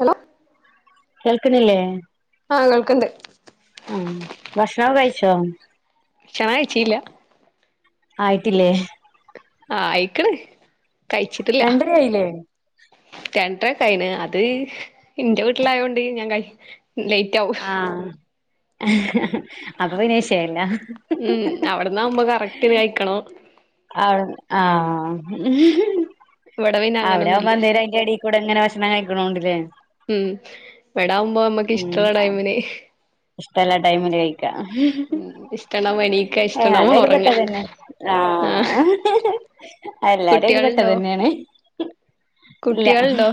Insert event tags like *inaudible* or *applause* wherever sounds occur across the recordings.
Hello കേൾക്കണില്ലേ ആഹ് കേൾക്കണ്ട് ആഹ് ഭക്ഷണക്കെ കഴിച്ചോ ഭക്ഷണ കയിച്ചിയില്ല ആയിട്ടില്ലേ ആഹ് ആയിക്കണ കഴിച്ചിട്ടില്ല രണ്ടരയായില്ലേ രണ്ടര കയിന് അത് ഇന്റെ വീട്ടിലയൊണ്ട് ഞാൻ ക ലൈറ്റ് ആഹ് അപ്പൊ പിന്നെ വിഷയല്ല ഉം അവിടന്നാവുമ്പോ കറക്ട് കഴിക്കണോം ആഹ് ആഹ് ഇവിടെ പിന്നെ അങ്ങനൊന്നുല്ല അവിടെയാകുമ്പംന്തേര അയന്റെ എടീകൂടെ ഇങ്ങനെ ഭക്ഷണം കഴിക്കണണ്ടില്ലേ ഉം ഇവടാകുമ്പോ നമ്മക്ക് ഇഷ്ടള്ള ടൈമിന് ഇല്ല ടൈമില് കഴിക്കും ഉം ഇഷ്ടണ്ടാവുമ്പോ എണീക്കാ ഇഷ്ടണ്ടാവുമ്പോ ഞാനയിൽ ഒറങ്ങാ പെട്ടതനെ ആഹ് എല്ലാരും അയിൽ പെട്ട കുട്ട്യാള്ണ്ടോ തന്നെയാണ് ഇല്ല കുട്ട്യാള്ണ്ടോ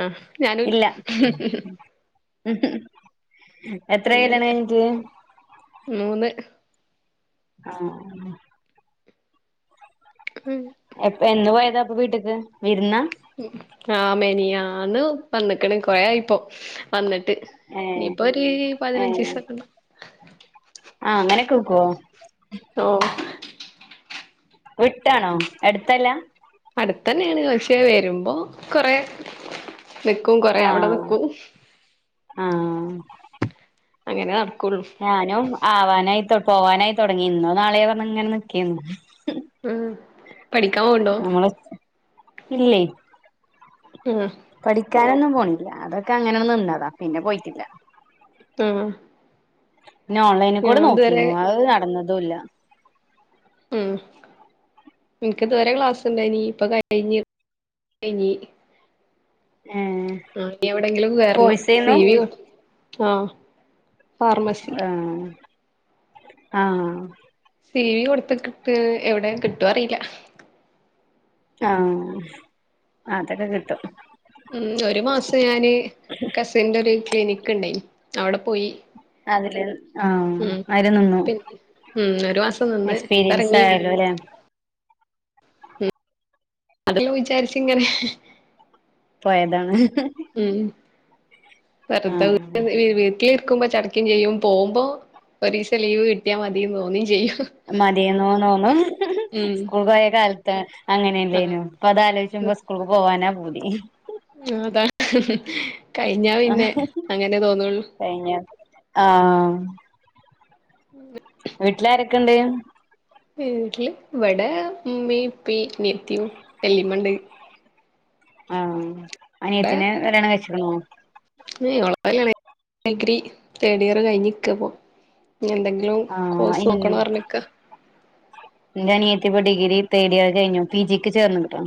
ആഹ് ഞാനും ഇല്ല ഉം അങ്ങനെ മൂന്ന് ആഹ് ഉമ് എപ്പ എന്നു പോയതാ അപ്പൊ വീട്ട്ക്ക് വിരുന്ന ആ മെനിഞ്ഞാന്ന് വന്നക്കണ് കൊറെ ആയിപ്പോ വന്നിട്ട് ഏഹ് ഇനിപ്പൊവരീ ഏഹ് പതിനഞ്ചീസക്കെണ്ടാവും ആഹ് അങ്ങനെ കേക്കുവോ ട്ടോ വിട്ടാണോ അടുത്തല്ല അടുത്തന്നെയാണ് പക്ഷേ വരുമ്പോ കൊറേ നിക്കും കൊറേ അവിടെ ആഹ് നിക്കും ആഹ് അങ്ങനെ നടക്കുള്ളൂ ഞാനും ആവാനായി തൊ പോവാനായി തൊടങ്ങി ഇന്നോ നാള്യോ പറഞ്ഞ് ഇങ്ങനെ നിക്കേന്നു ഉമ് പഠിക്കാൻ പോണ്ടോ നമ്മള് ഇല്ലേ ഹ് പഠിക്കാനൊന്നും പോണില്ല അതൊക്കെ അങ്ങനെ നിന്നതാ പിന്നെ പോയിട്ടില്ല ആഹ് പിന്നെ ഓൺലൈനിൽ കൂടെ ഞാൻ ഇതുവരെ നോക്കിന്നു അത് നടന്നതൂല്ല ഉം എനിക്ക് ഇതുവരെ ക്ലാസ് ഉണ്ടായിനി ഇപ്പൊ കഴിഞ്ഞ് കഴിഞ്ഞി ഏഹ് ആഹ് ഇനി എവിടെങ്കിലും കയറണം കോഴ്സേന്നു സി വി ആഹ് ഫാർമസി ആഹ് ആഹ് സിവി കൊടുത്തുക്കിട്ട് എവിടെ കിട്ടുവോ അറിയില്ല ആഹ് അതൊക്കെ കിട്ടും ഉം ഒരു മാസം ഞാന് കസിന്റെ ഒരു ക്ലിനിക്ക് ഉണ്ടായി അവിടെ പോയി അതില് ഉം ആഹ *inaudible* നിന്നു പിന്നെ ഉം ഒരു മാസം നിന്ന് എക്സ്പീരിയൻസ് ഇപ്പറങ്ങി ആയാലോ അല്ലേ അതല്ലാം വിചാരിച്ച് ഇങ്ങനെ പോയതാണ് ഉം വേറുതെ ആഹ് വിട്ടില് ഇരി നിക്കുമ്പോ ചാടിക്കും ചെയ്യും പോകുമ്പോ ഒരീസം ലീവ് കിട്ടിയാൽ മതിന്ന് തോന്നുവേം ചെയ്യും മതിയെന്ന് തോന്നും ഉം സ്കൂൾക്ക്പോയ കാലത്ത് ആഹ് അങ്ങനെയല്ലേനു ഇപ്പൊ അത്‌ ആലോയി ഇമ്പോ സ്കൂൾക്ക് പോവാനാ പൂതി അതാ കഴിഞ്ഞാ പിന്നെ അങ്ങനെ തോന്നുള്ളു കഴിഞ്ഞ് ആഹ് ഉം വീട്ടിൽ ആരൊക്കെയുണ്ട് വീട്ടില് ഇവടെ ഇമ്മ ഇപ്പ അ നിയത്തി വെല്ലിമ്മ ഇണ്ട് ആഹ അനിയത്തിനെ കല്യാണംകഴിച് ക്ണോ ഏഹ് ഓളെ കല്യാണ ഡിഗ്രി തേഡ് ഇയർ കഴിഞ്ഞ് നിക്കായിപ്പോ ഇനിഎന്തെങ്കിലും ഇഞ്ഞു ആഹ് കോഴസ് നോക്കണന്ന് പറഞ്ഞ് നിക്കാ ന്റെ അനിയത്തിപ്പോ ഡിഗ്രി തേടിയറ് കഴിഞ്ഞു പി ജിക്ക് ചേർന്നികിട്ടോ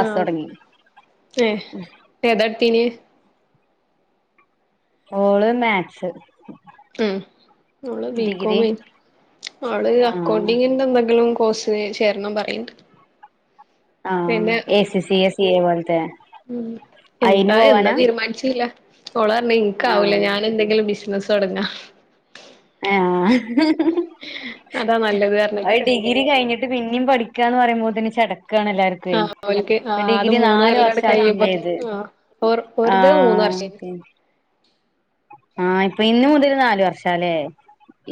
ആഹ് ഏഹ് ഏതാട്ത്തീന് ഓള് മാത്‍സ് ഉം ഓള് ബി കോമെയ്ന്ന് അവള് ആഹ് അക്കൗണ്ടിങ്ങിന്റെ എന്തെങ്കിലും കോഴ്സ് ചേരണം പറയുണ്ട് ആഹ് A C C A C A പോലത്തെ ഉം അയിന് എന്താ എന്താ പോവാനാ തീരുമാനിച്ചില്ല ഓളർഞ്ഞ് ഇൻക്ക് ആവൂല ആഹ് ഞാനെന്തെങ്കിലും ബിസിനസ് തൊടങ്ങ എഹ് അതാ നല്ലത് അയ്‌ പറഞ്ഞിക്ക ഡിഗ്രി ഡിഗ്രി കഴിഞ്ഞിട്ട് പിന്നിം പഠിക്കാന്ന് പറയുമ്പോത്തിന് ചടക്കാണ് എല്ലാർ ആഹ് ഓൽക്ക് പ്പോ ആഹ് അത് ഡിഗ്രി മൂന്ന് നാല് കൊല്ലം അങ്ങട് വർഷാക്കിം കഴിയുമ്പോ ചെയ്ത് ആഹ് ഓർ ഓര്ത് മൂന്ന് ആഹ് വർഷേനി ആഹ് ഇപ്പൊ ഇന്ന് മുതൽ നാലുവർഷാ ലെ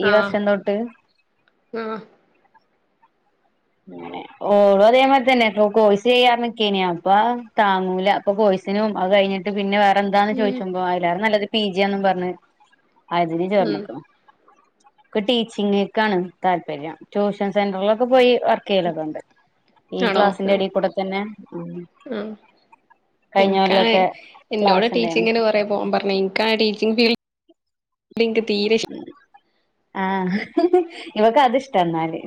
ഈ ആഹ് വർഷം തൊട്ട് ആഹ് മേനെ ഓളതേമാരിതന്നെ പ്പൊ കോഴ്സ് കയ്യാനിക്കേണ് അപ്പ താങ്ങൂല അപ്പൊ കോഴ്സിനും അത് കഴിഞ്ഞിട്ട് ന്നിട്ട് പിന്നെ വേറെന്താന്ന് ഉം ചോയ്ച്ചുമ്പോ അയിലേറെ നല്ലത് പി ജിയാന്നും പറഞ്ഞ് അതിന് ഉം ചേർന്നെക്ക്ണു ഒക്കെ ടീച്ചിങ്ങ്ക്കാണ് താല്പര്യം ട്യൂഷൻ സെന്റർലൊക്കെ പോയി വർക്കയ്യലൊക്കെണ്ട് ഈ ആണോ ആ ക്ലാസ്സിന്റെ എടീക്കൂടെതന്നെ ഉം കഴിഞ്ഞ ഇൻക്കാണെയ് കൊല്ലൊക്കെ ഇന്നോട് ക്ലാസ് ഉണ്ടായിരുന്നു ടീച്ചിങ്ങിന് കൊറെ പോകാൻ പർ ഇൻക്കാണെ ടീച്ചിങ് ഫീൽഡ് തീരെ ഇഷ് ആഹ് ഇവക്ക് അതിഷ്ടന്നാല്.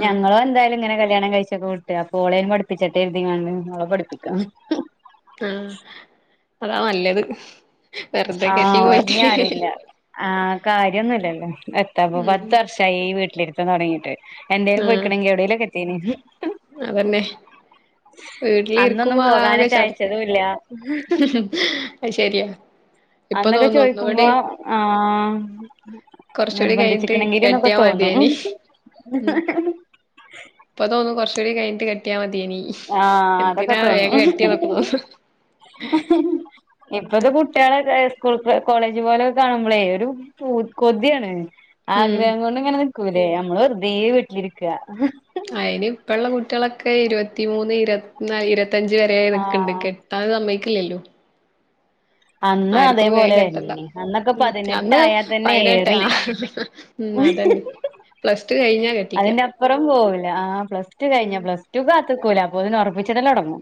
ഉം ഞങ്ങളും എന്തായാലും ഇങ്ങനെ കല്യാണം കഴിച്ച് വിട്ട് അപ്പൊ ഓളേൻ പഠിപ്പിച്ചട്ടേര്തിങ്ങാണ്ട് ഓളെ പഠിപ്പിക്കാ ആഹ് അതാ നല്ലത്. വെറുതെ കെട്ടി ആഹ് പോയിട്ട് ഇഞ്ഞി ആരുല്ല. ആഹ് കാര്യന്നുല്ലല്ലോ എത്തപ്പോ ഉം പത്ത് വർഷായി ഈ വീട്ടിലിരുത്തം തൊടങ്ങീട്ട്. എന്തേലും ആ പോയിക്ക്ണെങ്കി എവിടേലൊക്കെ എത്തീനി അതന്നെ അന്നൊന്നും വീട്ടിലിരിക്കുമ്പോ ആകെ പോകാനറ്റെ ചടക്കും അയച്ചതുല്ല അത് ശരിയാ ഇപ്പൊ അന്നൊക്കെ തോന്നും ഒന്നൂടി ചോയ്ക്കുമ്പോ ആഹ് കൊറച്ചൂടി കഴിഞ്ഞിട്ട് നിർബന്ധിച്ച്ക്ക്ണങ്കില്ന്നൊക്കെ കെട്ടിയാ തോന്നും. മതിയേനി പ്പോ തോന്നും കൊറച്ചുടി കഴിഞ്ഞിട്ട് കെ ട്ടിയാമതിയെനി ആ അതൊക്കെ തോന്നും. തോന്നും ഇപ്പത്തെ കുട്ട്യേളെ സ്കൂൾത്തെ കോളേജ് പോലൊക്കെ കാണുമ്പളേ ഒരു പൂത് കൊതിയാണ് ഉം ആഗ്രഹം കൊണ്ട് ഇങ്ങനെ നിക്കൂല്ലേ നമ്മള് വെറുതെ വീട്ടിലിരിക്ക അയിന് ഇപ്പള്ള കുട്ടിയളൊക്കെ ഇരുവത്തിമൂന്ന് ഇരുവത്തിനാല് ഇരുവത്തഞ്ച് വരെ നിക്ക്ണ്ട് ആഹ് കെ ത്താഹ് സമ്മയ്കില്ലല്ലോ. അന്ന് ആര്ക്കും വേം അതേപോലെ കെട്ടണ്ട വരണ്ടീനി അന്നൊക്കെ ഉം അന്ന് പതിനെട്ടായാൽ തന്നെ പൈനെട്ട് ഏറി ആഹ് ഉം അതന്നെ പ്ലസ് ടു കഴിഞ്ഞാ കെട്ടിക്ക പ്പറം പോവൂല ആഹ് പ്ല ടു ഉം കഴിഞ്ഞാ പ്ലസ് ടുക്ക് കാത്ത്ക്കൂല അപ്പോത്തിന് ഒറപ്പിച്ചിടലൊടങ്ങും.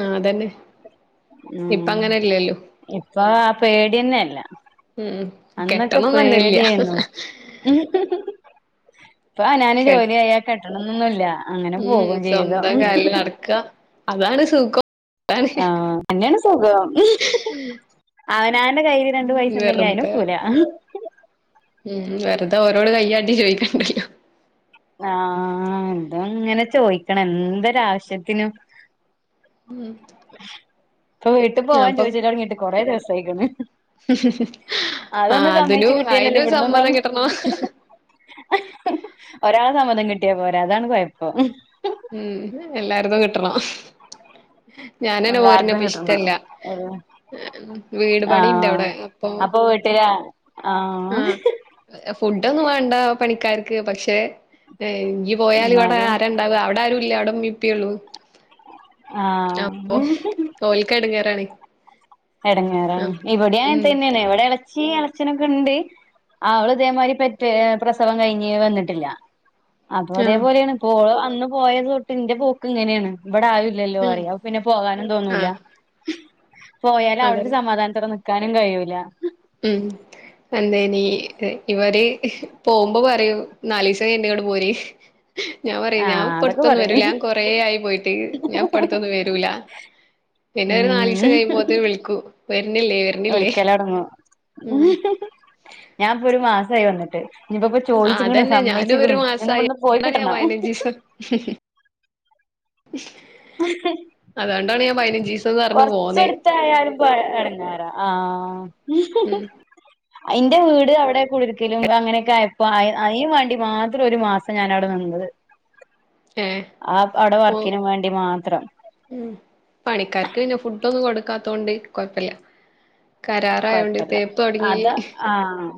ആഹ് അതന്നെ ഇപ്പങ്ങനെല്ലല്ലോ. പേടിയെന്നല്ല ഉം ഉം കെട്ടണംന്നന്നെല്ല ഇപ്പൊ അവനാന് കെ ജോലിയായ കെട്ടണന്നൊന്നുല്ല. അങ്ങനെ ഉം പോകും സ്വന്തം ജീവിതം കാലില് നടക്കാ അതാണ് സുഖം. അതാണ് ആഹ് അന്നെയേണ് സുഖം അവനാന്റെ കയ്യില് രണ്ടു പൈസണ്ടെങ്കി വെറുതെ അയ്നൊക്കൂല ഉം വെറുത ഓരോട് കയ്യാട്ടി ചോയ്ക്കണ്ടല്ലോ ആഹ് ഇത്ങ്ങനെ ചോയ്ക്കണം എന്തൊരവശ്യത്തിനും ഉം പ്പൊ വീട്ടിൽ പോവാൻ ചോയ്ച്ചലൊടങ്ങീട്ട് കൊറേ ദിവസായ്ക്ക്ണ് അതൊന്ന് ആഹ് അതിനു സമ്മയ്ച്ച കിട്ടിയാലല്ലേ അയിനും സമ്മതം ഇവിട്ന്നൊന്നറങ്ങാ കിട്ടണം ഒരാളെ സമ്മതം കിട്ടിയാ പോരാ അതാണ് കുഴപ്പം ഉം എല്ലാരതും കിട്ടണം ഞാനന്നെ എല്ലാരതും കിട്ടണം പോര്നപ്പഷ്ടല്ല വീട് ആഹ് പണിണ്ടവടെ അപ്പൊ ആഹ് ഫുഡൊന്നും വേണ്ട പണിക്കാർക്ക് പക്ഷേ ഇയ്യ് പോയാലിവടെ എന്നാലും ആരണ്ടാവ അവ അവിടാരുല്ല അവിടെമ്മിപ്പിയൊള്ളൂ അപ്പൊ ആഹ് ഓൽക്കെടങ്ങേറാണ് എടങ്ങേറാണ് ഇവിടേം അങ്ങനേ ഉം തന്നേണ് ഇവിടെ എറച്ചി എറച്ചിനൊക്കെണ്ട് ആഹ് അവള് ഇതേമാരി പെറ്റേ പ്രസവം കഴിഞ്ഞ് വന്നിട്ടില്ല അപ്പൊ അതേ ആഹ് പോലേണ് പ്പോള് അന്ന് പോയത് തൊട്ട് ഇന്റെ പോക്ക്ങ്ങനേണ് ഇവിടെ ആരു ല്ലല്ലോ ആഹ് അറിയ പിന്നെ പോകാനും തോന്നൂല ആഹ് പോയാലവിട്ന്ന് അതന്നെ സമാധാനത്തോടെ നിക്കാനും കഴിയൂല ഉം എന്തേനി ഇവര് പോകുമ്പോ പറയും നാലീസം കഴ്ഞ്ഞിട്ടിങ്ങട്ട് പോര് ഞാൻ പറയും ആഹ് അതൊക്കെ ഞാൻപ്പടുത്തൊന്നും പറയും വരൂല ഞാൻ കൊറേയായി പോയിട്ട് ഞാൻപ്പടുത്തൊന്നും വരൂല പിന്നൊരു ഉം നാലീസം കഴിയുമ്പോത്തിന് വിളിക്കും വരുന്നില്ലേ വ വെളികേല്ലാം ഇറങ്ങോ ഉം ഞാൻപ്പോ ഒരു മാസായി വന്നിട്ട് ഇനിപ്പോ ആഹ് ചോയ്ച്ച്ക്ക്ണ് അതന്നെ സമ്മയ്ച്ച്ക്ക്ണ് ഇനിയൊന്നിവിട്ന്ന് പോയി കിട്ടണം ഹ്ഹ് അഹ് അതോണ്ടാണ് ഞാൻ പയ്നഞ്ചീസ കൊർച്ചെട്ത്തായാലും പ്പൊ എടങ്ങേറാ ആഹ് ഉം അയിന്റെ വീട് അവിടെ കുടിര്ക്കലും അങ്ങനെയൊക്കായപ്പോ അയ്നും വാണ്ടി മാത്രൊരു മാസം ഞാനവടെ നിന്നത് ഏഹ് ആഹ് ആടെ പോ വർക്കിനും പോവൻ വേണ്ടി മാത്രം ഉം പണിക്കാർക്ക് പിന്നെ ഫുഡൊന്നും കൊടുക്കാത്തോണ്ട് കൊഴപ്പല്ല കരാറായോണ്ട് കൊഴപ്പല്ല തേപ്പ് തുടങ്ങി അത് ആഹ്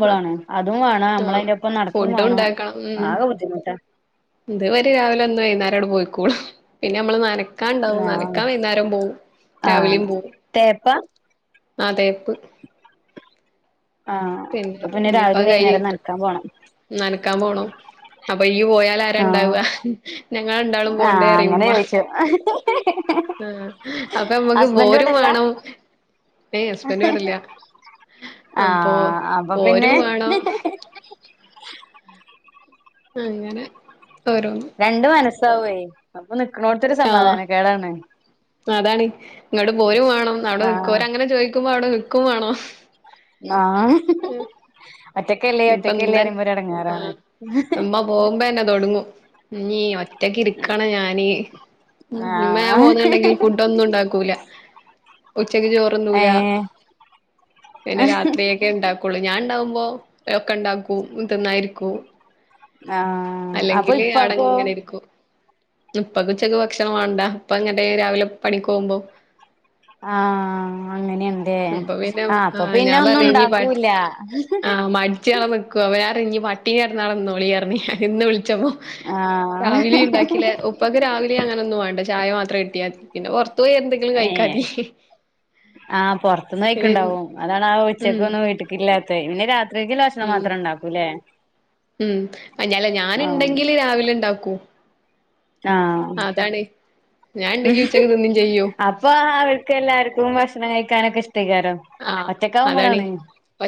അപ്പ അതും വാണം ആഹ് നമ്മളയ്ന്റൊപ്പം നടക്കും ഫുഡ് വാണം ഉണ്ടാക്കണം ഉം ആകെ ബുദ്ധിമുട്ട ഇത് അവര് രാവിലെ വന്ന് വൈന്നാരണ് പോയിക്കോളും പിന്നെ ഞമ്മള് നന നക്കാണ്ടാവും ആഹ് നനക്കാൻ വൈന്നാരം പോവും ആഹ് രാവിലെയും പോവും തേപ്പാ ആഹ് തേപ്പ് ആഹ് പിന്നെ അപ്പൊ ഇനിപ്പ രാവിലിം കൈഞ്ഞ് വൈന്നേരം നനക്കാൻ പോണം നനക്കാൻ പോണം അപ്പൊയ്യ് പോയാല ആഹ് ലരാണ്ടാവ ഞങ്ങളരണ്ടാളും ആഹ് അങ്ങനെ പോവണ്ടേയറിയുമ്മ ചോയിച്ചു ആഹ് അപ്പൊ ഞമ്മക്ക് ഹസ്ബൻഡ് പോരും ഇവിടെല്ല വാണം ഏയ് ഹസ്ബൻന്റ് ഇവിടില്ല അപ്പൊ ആഹ് അപ്പൊ പിന്നെ പോരും വാണം ആഹ് അങ്ങനെ ഓരോന്ന് രണ്ട് മനസ്സാവേ അപ്പൊ നിക്ക്ണോട്ത്തൊരു ആഹ് സമാധാനക്കേടാണ് അതാണ് ഇങ്ങട്ട് പോരും വാണം അവിടെ ആഹ് നിക്കോരങ്ങനെ ചോയ്ക്കുമ്പോ അവിടെ നിക്കും വാണം ആഹ് ഉം ഒറ്റക്കല്ലോ ഒറ്റക്കല്ലേ റിയുമ്പൊരു എടങേറാണ് പോമ്പെന്നെ തൊടങ്ങും നീ മ റ്റക്കരിക്കണം ഞാന് മ്മ ഞാൻ ആഹ് പോന്ന്ണ്ടെങ്കില് ഫുഡോന്നും ണ്ടാക്കൂല ഉച്ചക്ക് ചോറ്ന്നൂല ഏഹ് പിന്നെ രാത്രിയെ ക്കെ ണ്ടാക്കൊള്ളൂ ഞാൻ ണ്ടാകുമ്പോ ഒക്കെ ണ്ടാക്കും തിന്നാ ഇരിക്കും ആഹ് അപ്പൊ അല്ലെങ്കില് ഇപ്പാക്കോ അടെങ്ങനെര്ക്കും ഇപ്പക്ക് ഉച്ചക്ക് ഭക്ഷണം വാണ്ട ഇപ്പ അങ്ങനെ രാവിലെ പണിക്കോവുമ്പോ ആ അങ്ങനെണ് ലേ അപ്പൊ പിന്നെ ആ അപ്പ ആഹ് ഞാൻ പിന്നൊന്നും പറഞ്ഞ് ണ്ടാക്കൂല്ല ച്ചാളെ നിക്കോ വേറെ അവടെ! ! ! ! ! ! ! ! ! അവടെന്നോളി പർഞ് ഇന്ന് വിളിച്ചപ്പോ ആഹ് രാവിലേം ണ്ടാക്കില്ലേ ഉപ്പക്ക് രാവിലെ അങ്ങനൊന്നും വാണ്ട ചായ മാത്രം കിട്ടിയാ മതി പിന്നെ പൊർത്തോയി എന്തെങ്കിലും കഴിക്കാതി ആ പൊർത്ത്ന്ന് പിന്നെ കയ്ക്ക്ണ്ടാവും അതാണ് ആ ഉം ഉച്ചക്കൊന്നും വീട്ട്ക്കില്ലാത്തത് പിന്നെ രാ ഉചക് ഭക്ഷണം ഉം മാത്രം ഉണ്ടാക്കൂല്ലേ ഉം *unintelligible* ആഹ് ഞാന്ണ്ടെങ്കില് രാവിലെണ്ടാക്കും ആ ഞാൻ ഉണ്ടെങ്കി ഉച്ചക്ക് തിന്നും ചെയ്യും അത് പ്പൊ അവര്ക്കെല്ലാർക്കും ഭക്ഷണം കഴിക്കാനൊക്കെ ഇഷ്ടെക്കാരം ആഹ് അതാണ് ഒറ്റക്കാവുമ്പളാണ്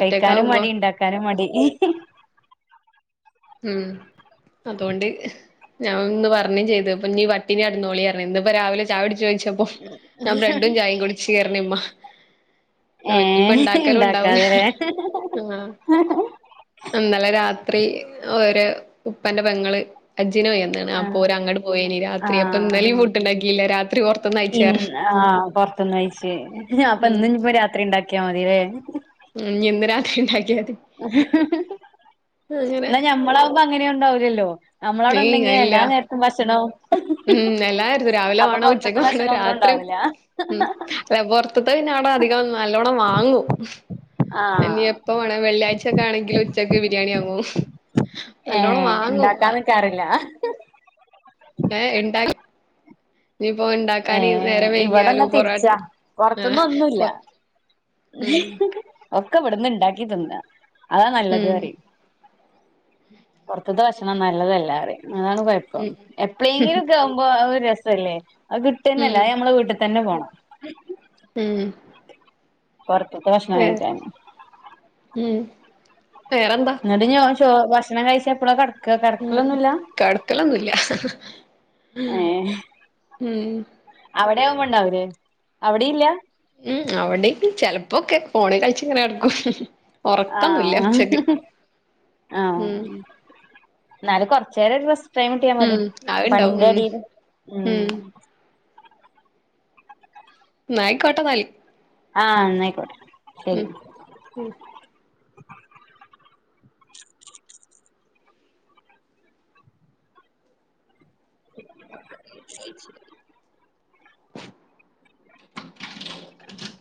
കയ്ക്കാനും മടി ണ്ടാക്കാനും മടി ഉം അതോണ്ട് ഞാ ഒന്ന് പർഞ്ഞും ചെയ്ത് ഇപ്പഞ്ഞി പട്ടിണി കെടന്നോളീ പർഞ് ഇന്ന്പ്പ രാവിലെ ചായുടിച്ചോ ചോയ്ച്ച ഞാൻ ബ്രഡും ചായേം കുട്ച്ച് പർഞ് മ്മ ഏ ഓ ഞ്ഞിപ്പ ണ്ടാക്കലും ണ്ടാവൂല ഇണ്ടാക്കാതെലേ ആ ഇന്നലെ രാത്രി ഓരെ ഉപ്പന്റെ പെങ്ങള് അജ്ജ്നോയ *unintelligible* ആ അപ്പോരങ്ങട്ട് പോയിനി ആ രാത്രി അപ്പൊ ഇന്നലേം ഫുട്ട്ണ്ടാക്കില്ല രാത്രി കൊർ ഇന്ന് ആ പൊർത്ത്ന്നയ്ച്ച് അപ്പൊ ഉം ഇന്ന് ഞ്പ്പോ രാത്രി ണ്ടാക്കിയാ മതില്ലേ ഉം ഞ്ഞി ഇന്ന് രാത്രി ണ്ടാക്ക്യാതി ന്നാ ഞമ്മളാവുമ്പോ അങ്ങനേം ണ്ടാവൂല്ലല്ലോ നമ്മളവടെണ്ടെങ്കി ഏയ് എല്ലാ ഇല്ല നേരത്തും ഭക്ഷണവും ഉം എല്ലായിട്ത്തും രാവിലെ അപ്പൊ വാണം ഉച്ചക്ക് പൊറത്തത്തെ വാണം ഭക്ഷണം ഒന്നും രാത്രി ഉണ്ടാവൂല ഉം *unintelligible* പൊറ്ത്തത് പിന്നെ അടെ അധികം നല്ലോണം വാങ്ങും ആ ഇനി എപ്പ വേ വെള്ളിയാഴ്ചയക്കെ ആണെങ്കിൽ ഉച്ചക്ക് ബിരിയാണി അങ്ങും. ഏ ണ്ടാക്കാനിക്കാറില്ല ഏ എന്താണ്. ഇപ്പോ ഏ ഉണ്ടാക്കാൻ നേരെ വെയ്യിയാലു ഇവിടെന്നാ പൊറട്ട തിരിച്ചാ ആ പൊറത്ത്ന്ന് ഒന്നുല്ല ഒക്കെ ഇവ്ട്ന്ന് ണ്ടാക്കി തിന്ന അതാ നല്ലത് ഉം റിയും പുറത്തത്തെ ഭക്ഷണം നല്ലതല അതാണ് കുഴപ്പം ഉം എപ്പളേങ്കിലൊക്കാവുമ്പോ അത് ഒരു രസല്ലേ അത് ഉം കിട്ടെന്നല്ല അത് നമ്മളെ വീട്ട്ത്തെന്നെ പോണം ഉം പൊർത്ത്ത്തെ ഭക്ഷണ വേ കഴിക്കാന് ഉം വേറെന്താ ന്നിട്ട് ഓ ചോ ഭക്ഷണം കഴിച്ചെപ്പളാ കെട ഉം കെടക്കലൊന്നുല്ല ഏ ഉം അവിടെ യാവുമ്പോ ഉണ്ടാവുലോ അവിടെ ഇല്ല. ഉം അവിടിം ചെലപ്പോക്കെ ഫോണിൽ കളിച്ച് ഇങ്ങനെ എടുക്കും. ആ ആ ഉം ന്നാലും കൊർച്ചേരൊരു റസ്റ്റ്‌ ടൈം ട്ട്യാ മതി ഉം അത്ണ്ടാവും പണിന്റെ ഉം എടെല് ഉം നയിക്കോട്ട നാല്. ആ ന്നയ്ക്കോട്ടെ ഉം ഉം *unintelligible*